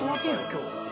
今日。